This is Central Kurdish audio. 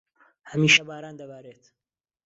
هەمیشە باران دەبارێت.